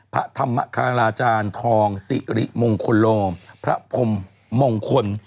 พระธรรมคาราจารย์ทองสิริมงคลโลพระพรมมงคล